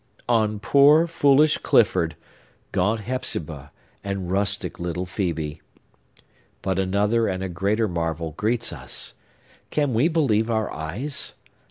On poor, foolish Clifford, gaunt Hepzibah, and rustic little Phœbe! But another and a greater marvel greets us! Can we believe our eyes?